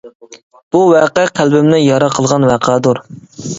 بۇ ۋەقە قەلبىمنى يارا قىلغان ۋەقەدۇر.